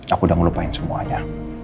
aku udah ngelupain semuanya